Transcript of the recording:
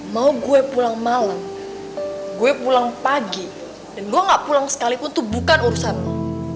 mau gue pulang malam gue pulang pagi dan gue gak pulang sekalipun tuh bukan urusanmu